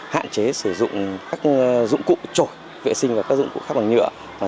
hạn chế sử dụng các dụng cụ trổi vệ sinh và các dụng cụ khác bằng nhựa